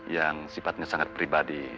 yang sifatnya sangat pribadi